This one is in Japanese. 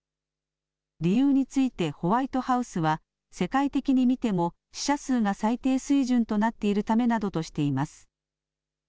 理由についてホワイトハウスは世界的に見ても死者数が最低水準となっているためなどとしています。